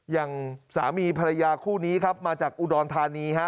อย่างสามีภรรยาคู่นี้ครับมาจากอุดรธานีฮะ